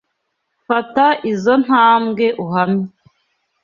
Fata izoi ntambwe uhamye.